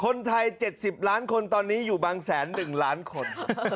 คนไทย๗๐ล้านคนตอนนี้อยู่บางแสน๑ล้านคน